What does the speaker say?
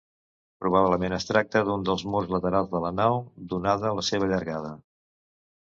Probablement es tracta d'un dels murs laterals de la nau, donada la seva llargada.